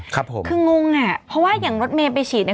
ครับผมคืองงอ่ะเพราะว่าอย่างรถเมย์ไปฉีดเนี่ย